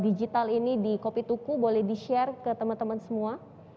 digital ini di kopi tuku boleh di share ke teman teman semua